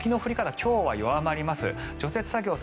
今日は弱まります。